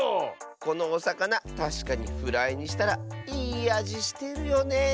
このおさかなたしかにフライにしたらいいあじしてるよねえ。